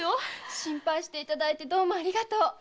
心配していただいてどうもありがとう。